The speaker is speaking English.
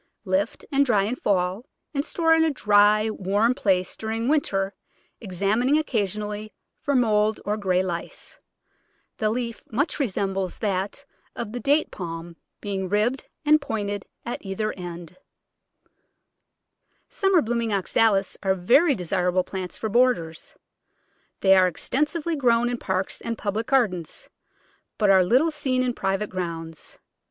Lift and dry in fall and store in a dry, warm place during winter, exam ining occasionally for mould or grey lice. The leaf Digitized by Google iS4 The Flower Garden [Chapter much resembles that of the date palm, being ribbed and pointed at either end. Summer blooming Oxalis are very desirable plants for borders. They are extensively grown in parks and public gardens, but are little seen in private grounds.